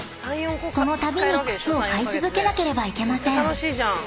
［そのたびに靴を買い続けなければいけません］